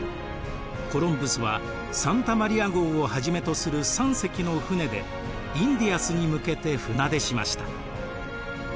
コロンブスはサンタ・マリア号をはじめとする３隻の船でインディアスに向けて船出しました。